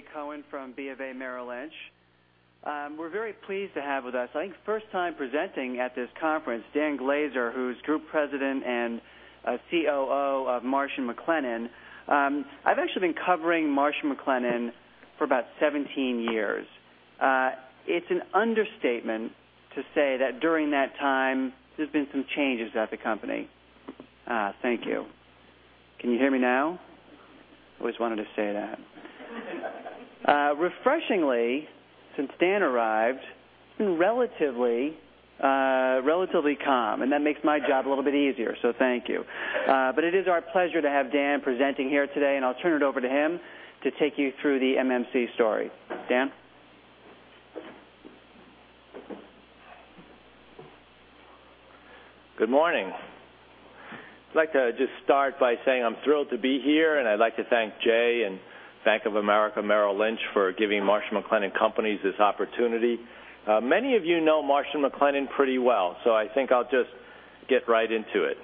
Jay Cohen from BofA Merrill Lynch. We're very pleased to have with us, I think first time presenting at this conference, Dan Glaser, who's Group President and COO of Marsh & McLennan. I've actually been covering Marsh & McLennan for about 17 years. It's an understatement to say that during that time, there's been some changes at the company. Thank you. Can you hear me now? Always wanted to say that. Refreshingly, since Dan arrived, it's been relatively calm, and that makes my job a little bit easier, so thank you. It is our pleasure to have Dan presenting here today, and I'll turn it over to him to take you through the MMC story. Dan? Good morning. I'd like to just start by saying I'm thrilled to be here, and I'd like to thank Jay and Bank of America Merrill Lynch for giving Marsh & McLennan Companies this opportunity. Many of you know Marsh & McLennan pretty well, I think I'll just get right into it.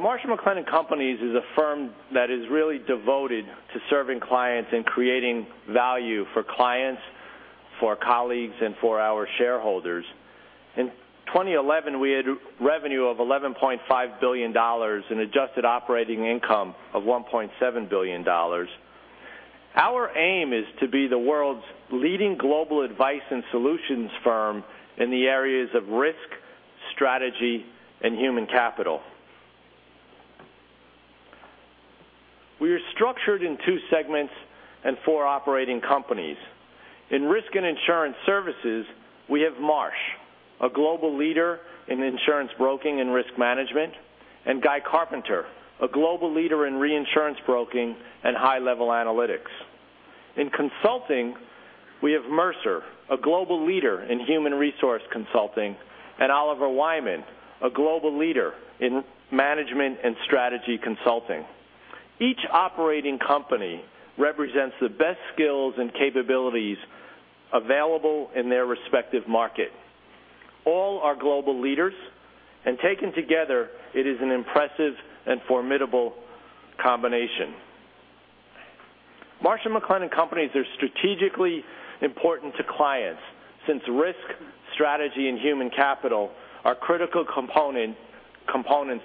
Marsh & McLennan Companies is a firm that is really devoted to serving clients and creating value for clients, for colleagues, and for our shareholders. In 2011, we had revenue of $11.5 billion, an adjusted operating income of $1.7 billion. Our aim is to be the world's leading global advice and solutions firm in the areas of risk, strategy, and human capital. We are structured in two segments and four operating companies. In risk and insurance services, we have Marsh, a global leader in insurance broking and risk management, and Guy Carpenter, a global leader in reinsurance broking and high-level analytics. In consulting, we have Mercer, a global leader in human resource consulting, and Oliver Wyman, a global leader in management and strategy consulting. Each operating company represents the best skills and capabilities available in their respective market. All are global leaders, and taken together, it is an impressive and formidable combination. Marsh & McLennan Companies are strategically important to clients since risk, strategy, and human capital are critical components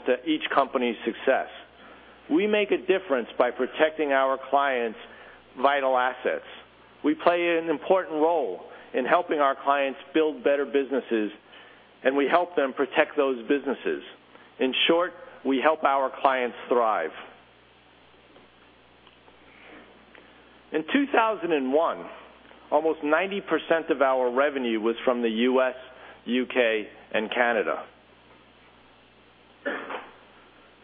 to each company's success. We make a difference by protecting our clients' vital assets. We play an important role in helping our clients build better businesses, and we help them protect those businesses. In short, we help our clients thrive. In 2001, almost 90% of our revenue was from the U.S., U.K., and Canada.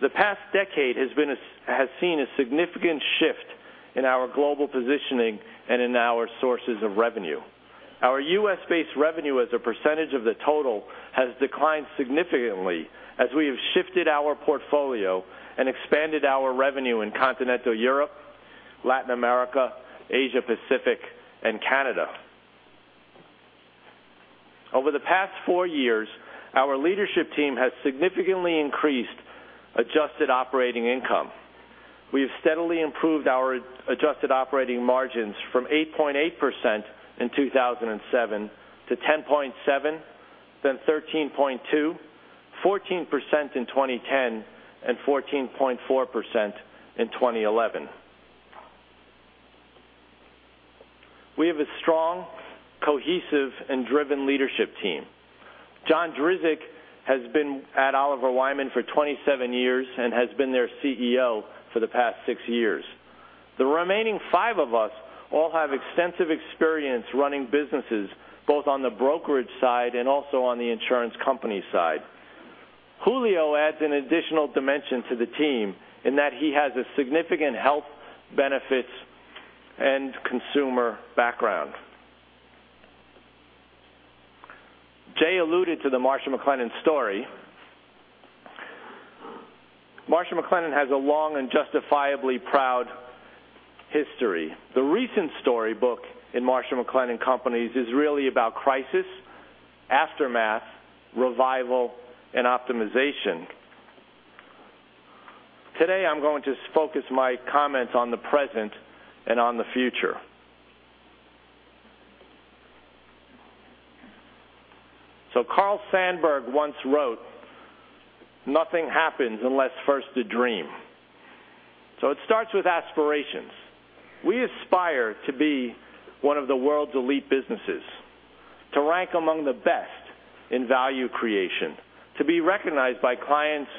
The past decade has seen a significant shift in our global positioning and in our sources of revenue. Our U.S.-based revenue as a percentage of the total has declined significantly as we have shifted our portfolio and expanded our revenue in continental Europe, Latin America, Asia-Pacific, and Canada. Over the past four years, our leadership team has significantly increased adjusted operating income. We have steadily improved our adjusted operating margins from 8.8% in 2007 to 10.7%, 13.2%, 14% in 2010, and 14.4% in 2011. We have a strong, cohesive, and driven leadership team. John Drzik has been at Oliver Wyman for 27 years and has been their CEO for the past six years. The remaining five of us all have extensive experience running businesses, both on the brokerage side and also on the insurance company side. Julio adds an additional dimension to the team in that he has a significant health benefits and consumer background. Jay alluded to the Marsh & McLennan story. Marsh & McLennan has a long and justifiably proud history. The recent storybook in Marsh & McLennan Companies is really about crisis, aftermath, revival, and optimization. Today, I'm going to focus my comments on the present and on the future. Carl Sandburg once wrote, "Nothing happens unless first a dream." It starts with aspirations. We aspire to be one of the world's elite businesses, to rank among the best in value creation, to be recognized by clients,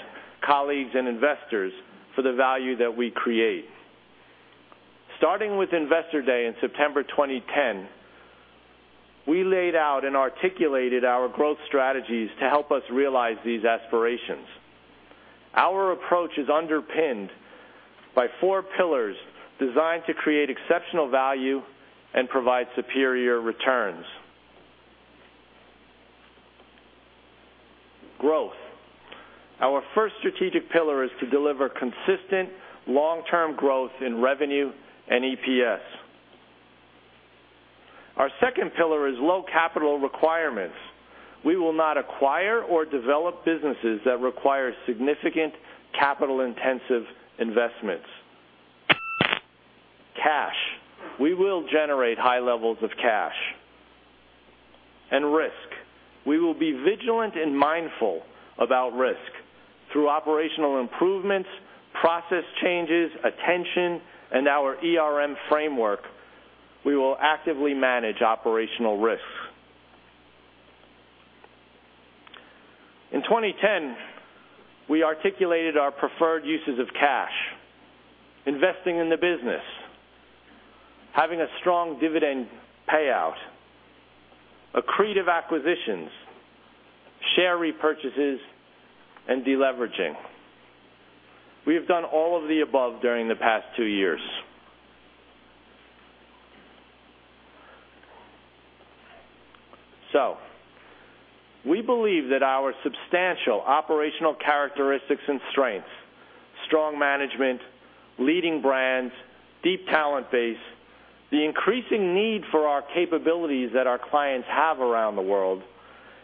colleagues, and investors for the value that we create. Starting with Investor Day in September 2010, we laid out and articulated our growth strategies to help us realize these aspirations. Our approach is underpinned by four pillars designed to create exceptional value and provide superior returns. Growth. Our first strategic pillar is to deliver consistent long-term growth in revenue and EPS. Our second pillar is low capital requirements. We will not acquire or develop businesses that require significant capital-intensive investments. Cash, we will generate high levels of cash. Risk, we will be vigilant and mindful about risk through operational improvements, process changes, attention, and our ERM framework, we will actively manage operational risks. In 2010, we articulated our preferred uses of cash, investing in the business, having a strong dividend payout, accretive acquisitions, share repurchases, and de-leveraging. We have done all of the above during the past two years. We believe that our substantial operational characteristics and strengths, strong management, leading brands, deep talent base, the increasing need for our capabilities that our clients have around the world,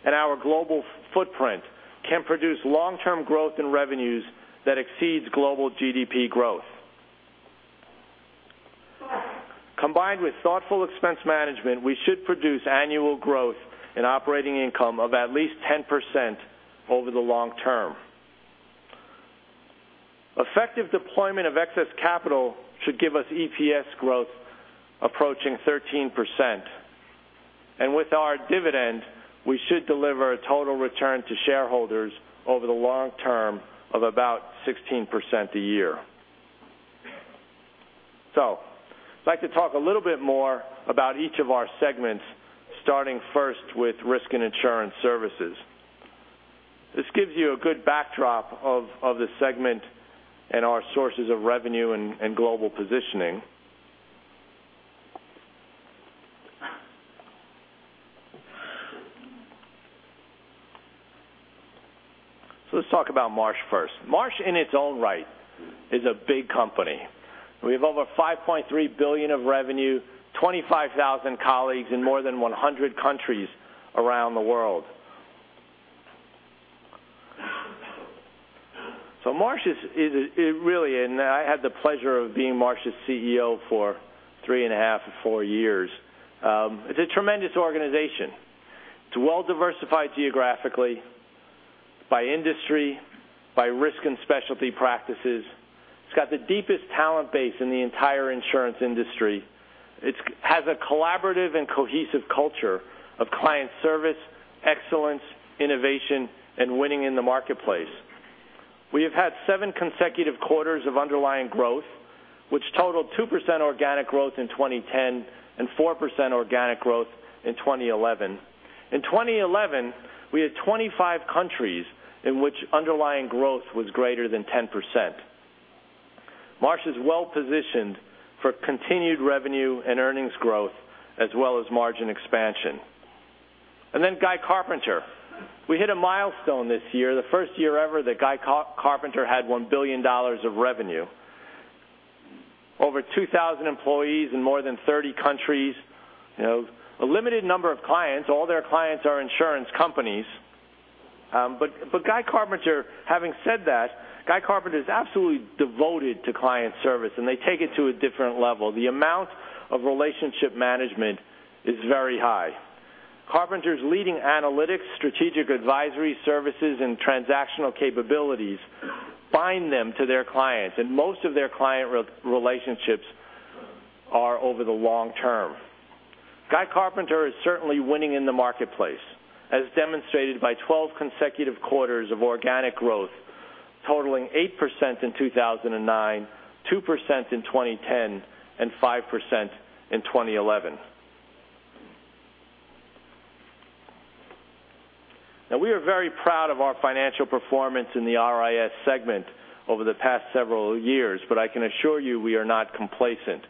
and our global footprint can produce long-term growth in revenues that exceeds global GDP growth. Combined with thoughtful expense management, we should produce annual growth in operating income of at least 10% over the long term. Effective deployment of excess capital should give us EPS growth approaching 13%. With our dividend, we should deliver a total return to shareholders over the long term of about 16% a year. I'd like to talk a little bit more about each of our segments, starting first with risk and insurance services. This gives you a good backdrop of the segment and our sources of revenue and global positioning. Let's talk about Marsh first. Marsh in its own right is a big company. We have over $5.3 billion of revenue, 25,000 colleagues in more than 100 countries around the world. Marsh is really, and I had the pleasure of being Marsh's CEO for three and a half to four years. It's a tremendous organization. It's well-diversified geographically, by industry, by risk and specialty practices. It's got the deepest talent base in the entire insurance industry. It has a collaborative and cohesive culture of client service, excellence, innovation, and winning in the marketplace. We have had seven consecutive quarters of underlying growth, which totaled 2% organic growth in 2010 and 4% organic growth in 2011. In 2011, we had 25 countries in which underlying growth was greater than 10%. Marsh is well-positioned for continued revenue and earnings growth, as well as margin expansion. Then Guy Carpenter. We hit a milestone this year, the first year ever that Guy Carpenter had $1 billion of revenue. Over 2,000 employees in more than 30 countries. A limited number of clients, all their clients are insurance companies. Guy Carpenter, having said that, Guy Carpenter is absolutely devoted to client service, and they take it to a different level. The amount of relationship management is very high. Carpenter's leading analytics, strategic advisory services, and transactional capabilities bind them to their clients, and most of their client relationships are over the long term. Guy Carpenter is certainly winning in the marketplace, as demonstrated by 12 consecutive quarters of organic growth, totaling 8% in 2009, 2% in 2010, and 5% in 2011. We are very proud of our financial performance in the RIS segment over the past several years, but I can assure you we are not complacent.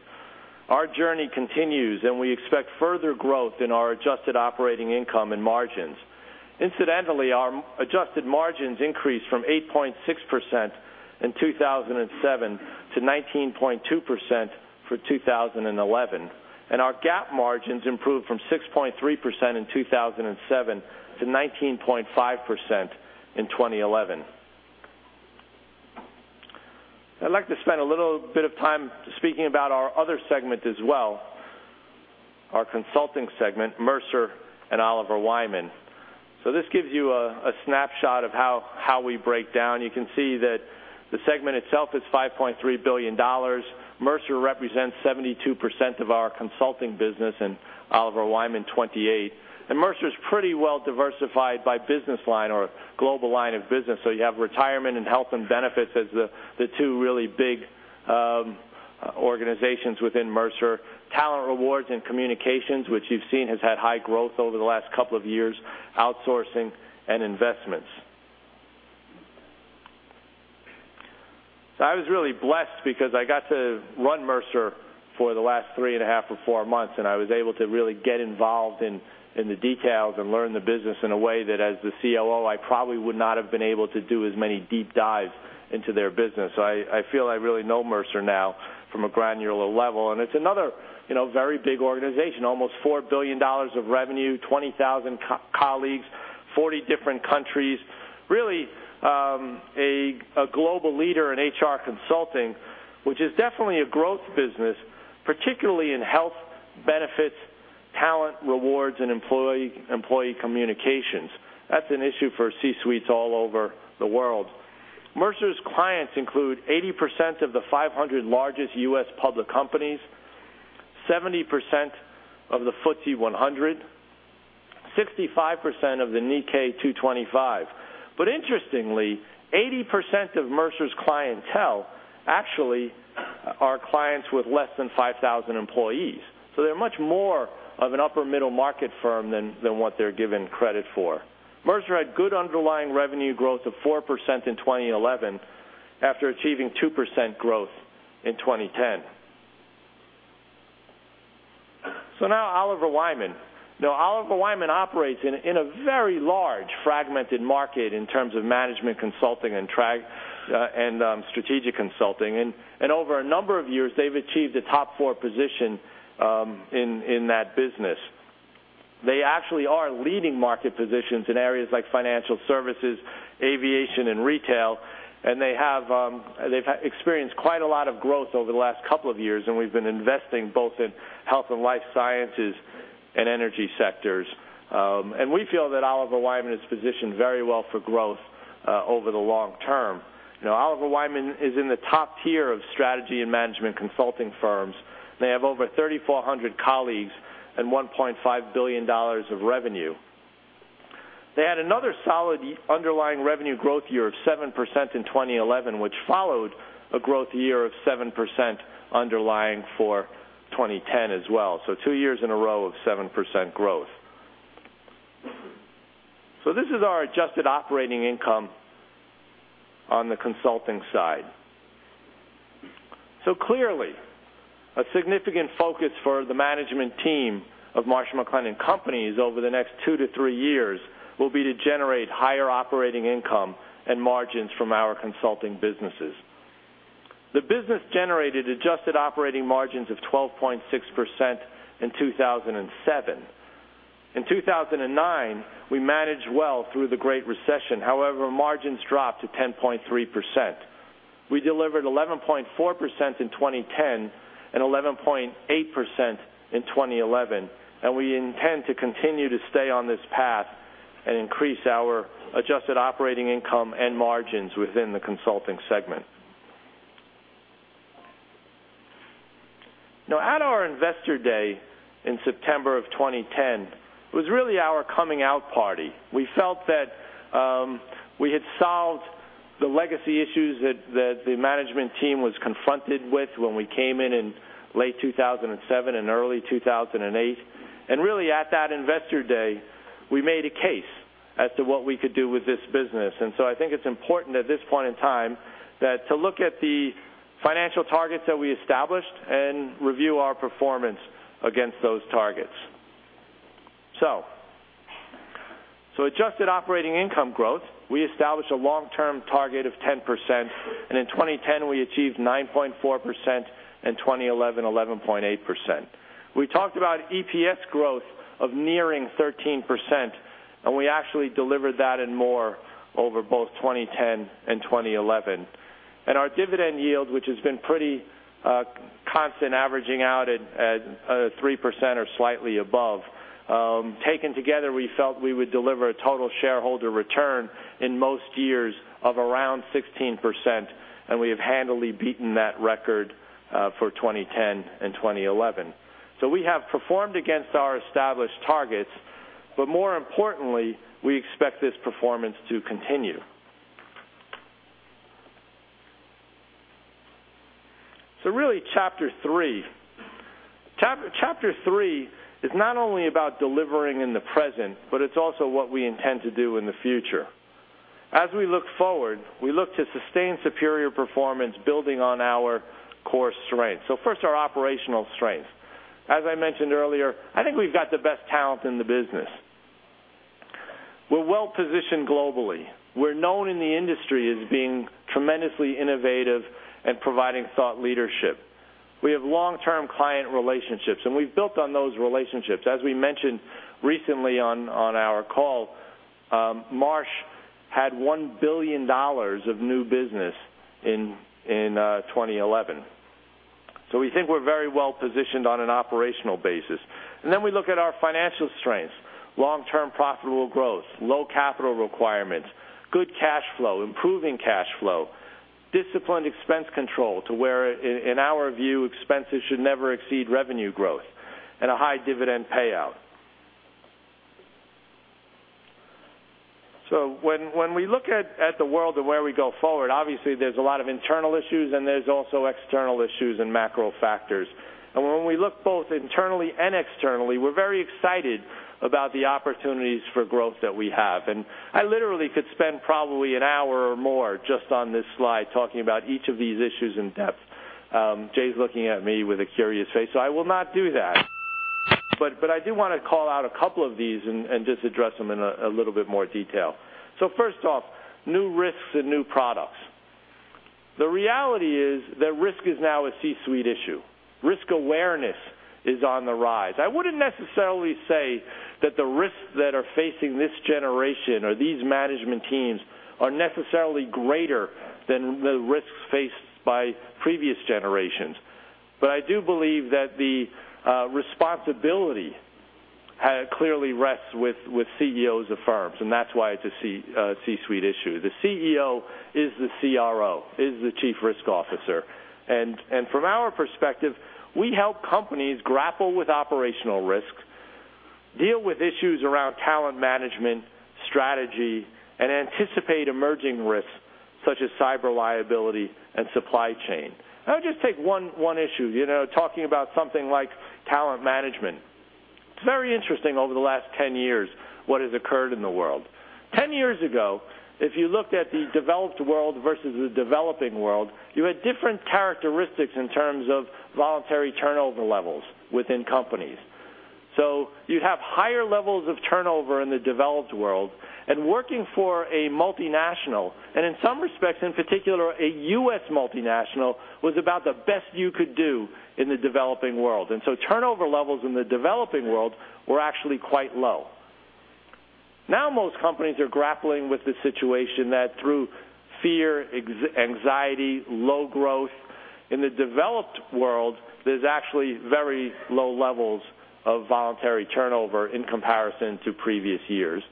Our journey continues, and we expect further growth in our adjusted operating income and margins. Incidentally, our adjusted margins increased from 8.6% in 2007 to 19.2% for 2011, and our GAAP margins improved from 6.3% in 2007 to 19.5% in 2011. I'd like to spend a little bit of time speaking about our other segment as well, our consulting segment, Mercer and Oliver Wyman. This gives you a snapshot of how we break down. You can see that the segment itself is $5.3 billion. Mercer represents 72% of our consulting business and Oliver Wyman 28%. Mercer is pretty well diversified by business line or global line of business. You have retirement and health and benefits as the two really big organizations within Mercer. Talent rewards and communications, which you've seen has had high growth over the last couple of years, outsourcing, and investments. I was really blessed because I got to run Mercer for the last three and a half or four months, and I was able to really get involved in the details and learn the business in a way that as the COO, I probably would not have been able to do as many deep dives into their business. I feel I really know Mercer now from a granular level. It's another very big organization, almost $4 billion of revenue, 20,000 colleagues, 40 different countries. Really, a global leader in HR consulting, which is definitely a growth business, particularly in health benefits, talent rewards, and employee communications. That's an issue for C-suites all over the world. Mercer's clients include 80% of the 500 largest U.S. public companies, 70% of the FTSE 100, 65% of the Nikkei 225. Interestingly, 80% of Mercer's clientele actually are clients with less than 5,000 employees. They're much more of an upper middle market firm than what they're given credit for. Mercer had good underlying revenue growth of 4% in 2011 after achieving 2% growth in 2010. Now Oliver Wyman. Oliver Wyman operates in a very large fragmented market in terms of management consulting and strategic consulting. Over a number of years, they've achieved a top four position in that business. They actually are leading market positions in areas like financial services, aviation, and retail, and they've experienced quite a lot of growth over the last couple of years, and we've been investing both in health and life sciences and energy sectors. We feel that Oliver Wyman is positioned very well for growth over the long term. Oliver Wyman is in the top tier of strategy and management consulting firms. They have over 3,400 colleagues and $1.5 billion of revenue. They had another solid underlying revenue growth year of 7% in 2011, which followed a growth year of 7% underlying for 2010 as well. Two years in a row of 7% growth. This is our adjusted operating income on the consulting side. Clearly, a significant focus for the management team of Marsh & McLennan Companies over the next two to three years will be to generate higher operating income and margins from our consulting businesses. The business generated adjusted operating margins of 12.6% in 2007. In 2009, we managed well through the Great Recession, however, margins dropped to 10.3%. We delivered 11.4% in 2010 and 11.8% in 2011, we intend to continue to stay on this path and increase our adjusted operating income and margins within the consulting segment. At our Investor Day in September of 2010, it was really our coming out party. We felt that we had solved the legacy issues that the management team was confronted with when we came in in late 2007 and early 2008. Really at that Investor Day, we made a case as to what we could do with this business. I think it's important at this point in time, to look at the financial targets that we established and review our performance against those targets. Adjusted operating income growth, we established a long-term target of 10%, in 2010, we achieved 9.4%, and in 2011, 11.8%. We talked about EPS growth of nearing 13%, we actually delivered that and more over both 2010 and 2011. Our dividend yield, which has been pretty constant, averaging out at 3% or slightly above. Taken together, we felt we would deliver a total shareholder return in most years of around 16%, and we have handily beaten that record for 2010 and 2011. We have performed against our established targets, but more importantly, we expect this performance to continue. Really chapter three. Chapter three is not only about delivering in the present, but it's also what we intend to do in the future. As we look forward, we look to sustain superior performance building on our core strengths. First, our operational strengths. As I mentioned earlier, I think we've got the best talent in the business. We're well positioned globally. We're known in the industry as being tremendously innovative and providing thought leadership. We have long-term client relationships, we've built on those relationships. As we mentioned recently on our call, Marsh had $1 billion of new business in 2011. We think we're very well positioned on an operational basis. We look at our financial strengths, long-term profitable growth, low capital requirements, good cash flow, improving cash flow, disciplined expense control to where in our view, expenses should never exceed revenue growth, and a high dividend payout. When we look at the world and where we go forward, obviously there's a lot of internal issues, and there's also external issues and macro factors. When we look both internally and externally, we're very excited about the opportunities for growth that we have. I literally could spend probably an hour or more just on this slide talking about each of these issues in depth. Jay's looking at me with a curious face, so I will not do that. I do want to call out a couple of these and just address them in a little bit more detail. First off, new risks and new products. The reality is that risk is now a C-suite issue. Risk awareness is on the rise. I wouldn't necessarily say that the risks that are facing this generation or these management teams are necessarily greater than the risks faced by previous generations. I do believe that the responsibility clearly rests with CEOs of firms, and that's why it's a C-suite issue. The CEO is the CRO, is the chief risk officer. From our perspective, we help companies grapple with operational risks, deal with issues around talent management, strategy, and anticipate emerging risks such as cyber liability and supply chain. I'll just take one issue, talking about something like talent management. It's very interesting over the last 10 years what has occurred in the world. 10 years ago, if you looked at the developed world versus the developing world, you had different characteristics in terms of voluntary turnover levels within companies. You'd have higher levels of turnover in the developed world and working for a multinational, and in some respects, in particular, a U.S. multinational, was about the best you could do in the developing world. Turnover levels in the developing world were actually quite low. Most companies are grappling with the situation that through fear, anxiety, low growth in the developed world, there's actually very low levels of voluntary turnover in comparison to previous years.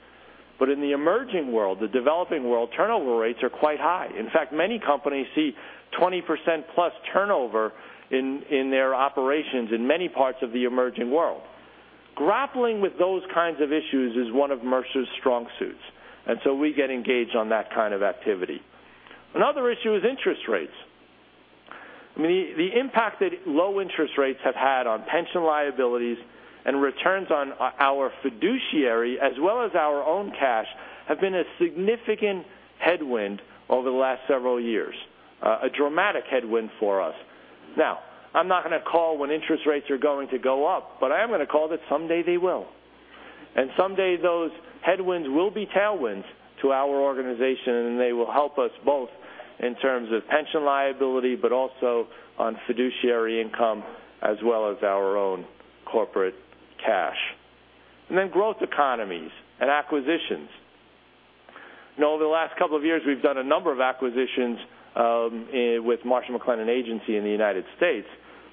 In the emerging world, the developing world, turnover rates are quite high. In fact, many companies see 20%+ turnover in their operations in many parts of the emerging world. Grappling with those kinds of issues is one of Mercer's strong suits, we get engaged on that kind of activity. Another issue is interest rates. The impact that low interest rates have had on pension liabilities and returns on our fiduciary as well as our own cash have been a significant headwind over the last several years, a dramatic headwind for us. I'm not going to call when interest rates are going to go up, but I am going to call that someday they will. Someday those headwinds will be tailwinds to our organization, and they will help us both in terms of pension liability, but also on fiduciary income as well as our own corporate cash. Growth economies and acquisitions. Over the last couple of years, we've done a number of acquisitions with Marsh & McLennan Agency in the U.S.,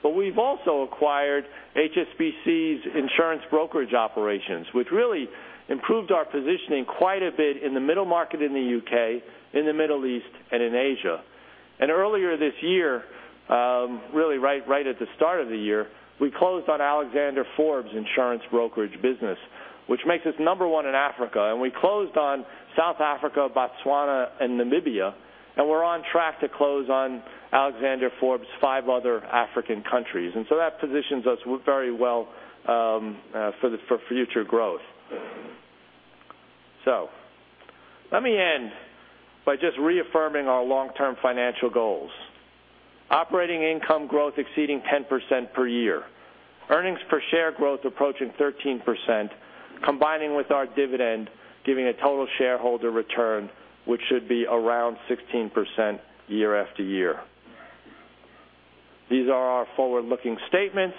but we've also acquired HSBC's insurance brokerage operations, which really improved our positioning quite a bit in the middle market in the U.K., in the Middle East, and in Asia. Earlier this year, really right at the start of the year, we closed on Alexander Forbes insurance brokerage business, which makes us number one in Africa. We closed on South Africa, Botswana, and Namibia, and we're on track to close on Alexander Forbes' five other African countries. That positions us very well for future growth. Let me end by just reaffirming our long-term financial goals. Operating income growth exceeding 10% per year. Earnings per share growth approaching 13%, combining with our dividend, giving a total shareholder return, which should be around 16% year after year. These are our forward-looking statements.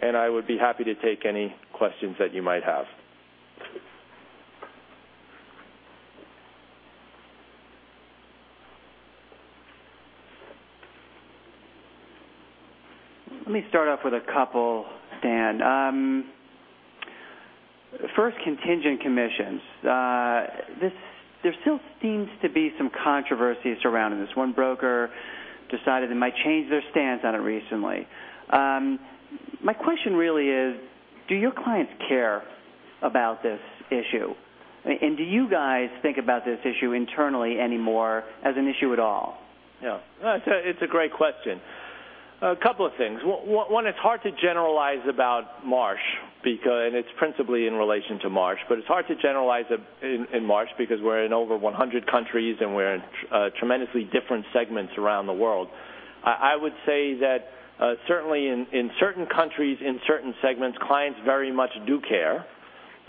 I would be happy to take any questions that you might have. Let me start off with a couple, Dan. First, contingent commissions. There still seems to be some controversy surrounding this. One broker decided they might change their stance on it recently. My question really is, do your clients care about this issue? Do you guys think about this issue internally anymore as an issue at all? Yeah. It's a great question. A couple of things. One, it's hard to generalize about Marsh, and it's principally in relation to Marsh, but it's hard to generalize in Marsh because we're in over 100 countries. We're in tremendously different segments around the world. I would say that certainly in certain countries, in certain segments, clients very much do care.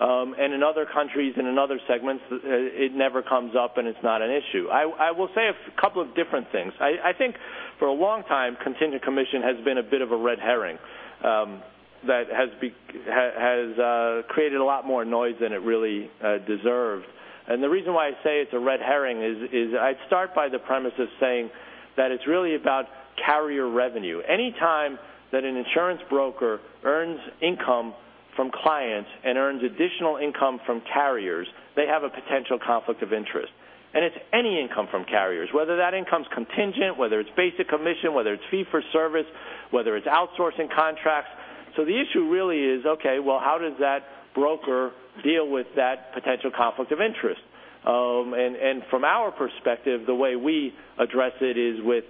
In other countries and in other segments, it never comes up and it's not an issue. I will say a couple of different things. I think for a long time, contingent commission has been a bit of a red herring that has created a lot more noise than it really deserves. The reason why I say it's a red herring is I'd start by the premise of saying that it's really about carrier revenue. Any time that an insurance broker earns income from clients and earns additional income from carriers, they have a potential conflict of interest. It's any income from carriers, whether that income's contingent, whether it's basic commission, whether it's fee for service, whether it's outsourcing contracts. The issue really is, okay, well, how does that broker deal with that potential conflict of interest? From our perspective, the way we address it is with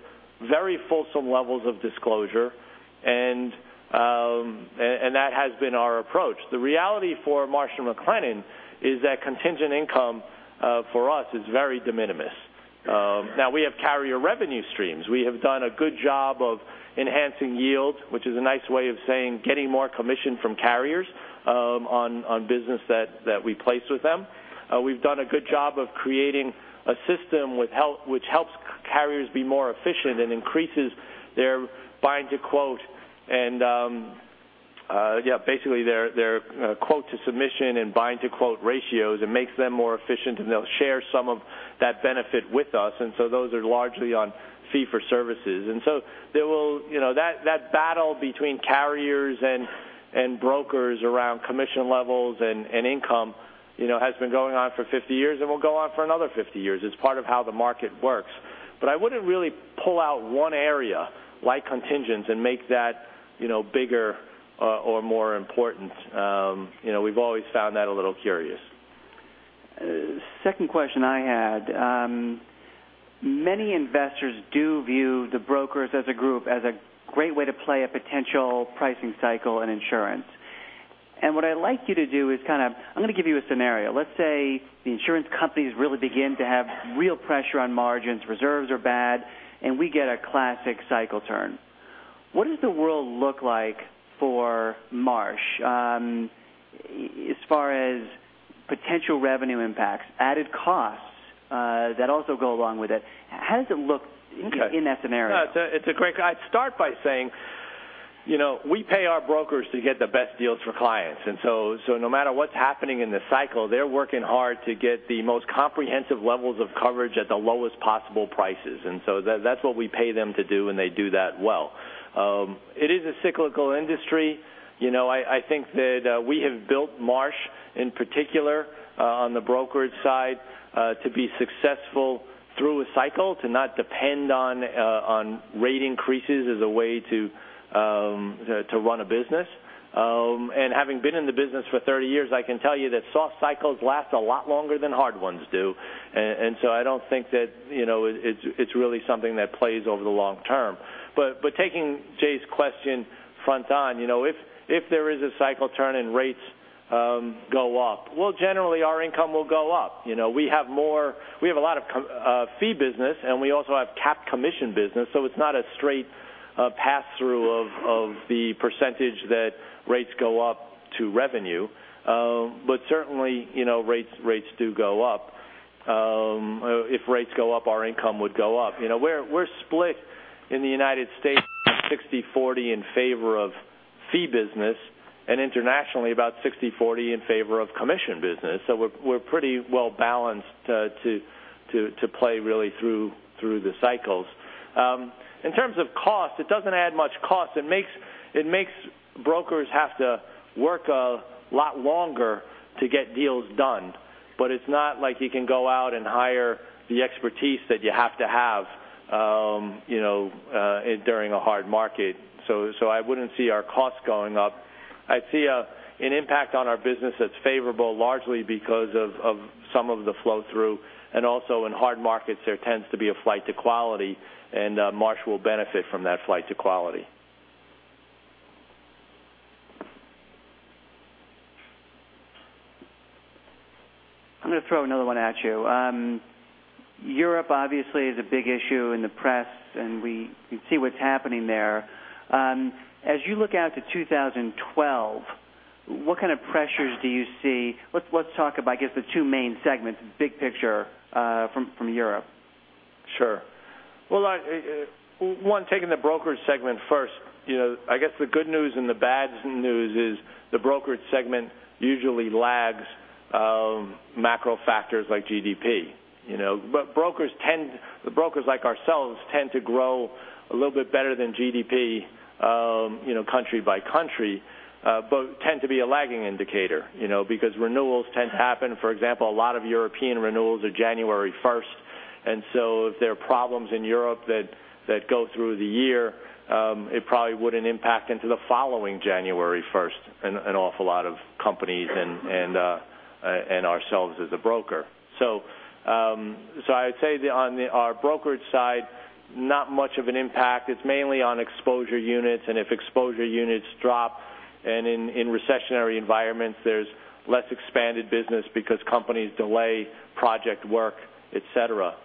very fulsome levels of disclosure, and that has been our approach. The reality for Marsh & McLennan is that contingent income for us is very de minimis. Now we have carrier revenue streams. We have done a good job of enhancing yield, which is a nice way of saying getting more commission from carriers on business that we place with them. We've done a good job of creating a system which helps carriers be more efficient and increases their bind to quote, and basically their quote to submission and bind to quote ratios. It makes them more efficient, and they'll share some of that benefit with us. Those are largely on fee for services. That battle between carriers and brokers around commission levels and income has been going on for 50 years and will go on for another 50 years. It's part of how the market works. I wouldn't really pull out one area like contingents and make that bigger or more important. We've always found that a little curious. Second question I had, many investors do view the brokers as a group, as a great way to play a potential pricing cycle in insurance. What I'd like you to do is kind of, I'm going to give you a scenario. Let's say the insurance companies really begin to have real pressure on margins, reserves are bad, and we get a classic cycle turn. What does the world look like for Marsh, as far as potential revenue impacts, added costs, that also go along with it? How does it look in that scenario? I'd start by saying, we pay our brokers to get the best deals for clients. No matter what's happening in the cycle, they're working hard to get the most comprehensive levels of coverage at the lowest possible prices. That's what we pay them to do, and they do that well. It is a cyclical industry. I think that we have built Marsh, in particular, on the brokerage side, to be successful through a cycle, to not depend on rate increases as a way to run a business. Having been in the business for 30 years, I can tell you that soft cycles last a lot longer than hard ones do. I don't think that it's really something that plays over the long term. Taking Jay's question front on, if there is a cycle turn and rates go up, well, generally our income will go up. We have a lot of fee business, and we also have cap commission business, so it's not a straight pass-through of the percentage that rates go up to revenue. Certainly, rates do go up. If rates go up, our income would go up. We're split in the United States, 60/40 in favor of fee business, and internationally about 60/40 in favor of commission business. We're pretty well-balanced to play really through the cycles. In terms of cost, it doesn't add much cost. It makes brokers have to work a lot longer to get deals done. It's not like you can go out and hire the expertise that you have to have during a hard market. I wouldn't see our costs going up. I'd see an impact on our business that's favorable largely because of some of the flow-through. Also in hard markets, there tends to be a flight to quality, and Marsh will benefit from that flight to quality. I'm going to throw another one at you. Europe obviously is a big issue in the press, and we see what's happening there. As you look out to 2012, what kind of pressures do you see? Let's talk about, I guess, the two main segments, big picture, from Europe. Sure. Well, one, taking the brokerage segment first, I guess the good news and the bad news is the brokerage segment usually lags macro factors like GDP. Brokers like ourselves tend to grow a little bit better than GDP country by country, but tend to be a lagging indicator because renewals tend to happen. For example, a lot of European renewals are January 1st, if there are problems in Europe that go through the year, it probably would impact into the following January 1st, an awful lot of companies and ourselves as a broker. I'd say on our brokerage side, not much of an impact. It's mainly on exposure units, and if exposure units drop and in recessionary environments, there's less expanded business because companies delay project work, et cetera.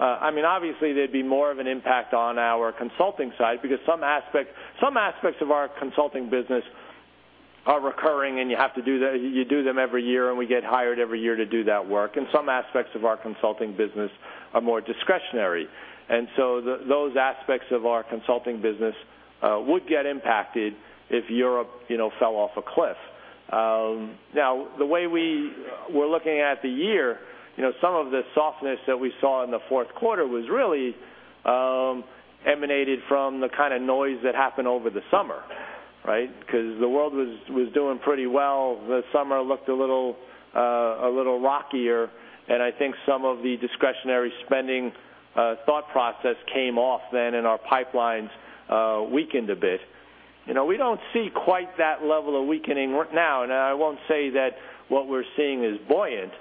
Obviously, there'd be more of an impact on our consulting side because some aspects of our consulting business are recurring, you do them every year, and we get hired every year to do that work. Some aspects of our consulting business are more discretionary. Those aspects of our consulting business would get impacted if Europe fell off a cliff. Now, the way we're looking at the year, some of the softness that we saw in the fourth quarter was really emanated from the kind of noise that happened over the summer, right? The world was doing pretty well. The summer looked a little rockier, I think some of the discretionary spending thought process came off then, and our pipelines weakened a bit. We don't see quite that level of weakening right now. I won't say that what we're seeing is buoyant,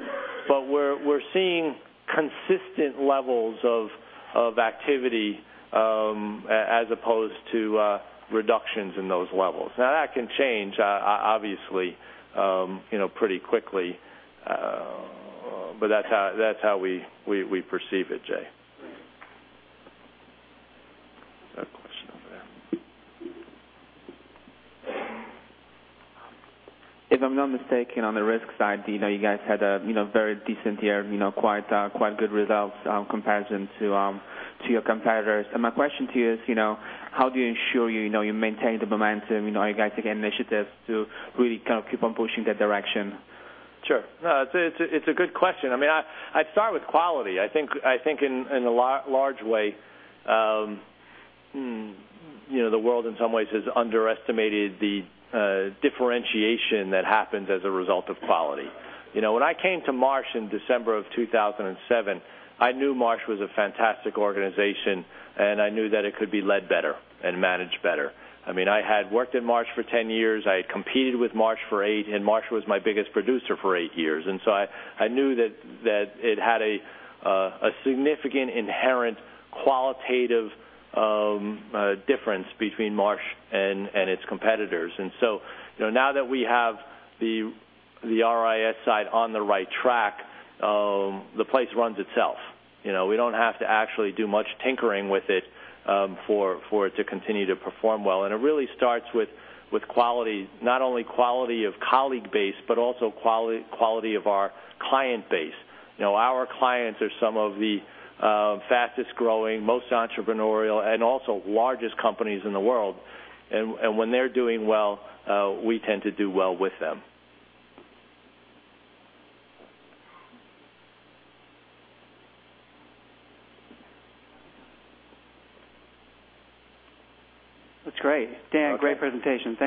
but we're seeing consistent levels of activity as opposed to reductions in those levels. That can change, obviously, pretty quickly, but that's how we perceive it, Jay. There's a question over there. If I'm not mistaken, on the risk side, you guys had a very decent year, quite good results in comparison to your competitors. My question to you is, how do you ensure you maintain the momentum? Are you guys taking initiatives to really kind of keep on pushing that direction? Sure. No, it's a good question. I'd start with quality. I think in a large way, the world in some ways has underestimated the differentiation that happens as a result of quality. When I came to Marsh in December of 2007, I knew Marsh was a fantastic organization. I knew that it could be led better and managed better. I had worked at Marsh for 10 years, I had competed with Marsh for eight. Marsh was my biggest producer for eight years. I knew that it had a significant inherent qualitative difference between Marsh and its competitors. Now that we have the RIS side on the right track, the place runs itself. We don't have to actually do much tinkering with it for it to continue to perform well. It really starts with quality, not only quality of colleague base, but also quality of our client base. Our clients are some of the fastest growing, most entrepreneurial, and also largest companies in the world. When they're doing well, we tend to do well with them. That's great. Dan, great presentation.